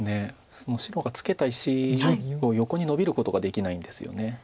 その白がツケた石を横にノビることができないんですよね。